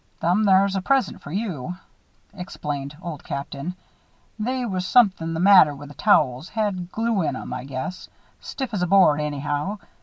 "Them thar's a present for you," explained Old Captain. "They was somethin' the matter with the towels had glue in 'em, I guess. Stiff as a board, anyhow.